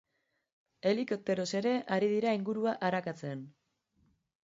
Helikopteroz ere ari dira ingurua arakatzen.